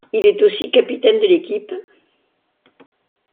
Il est aussi capitaine de l'équipe.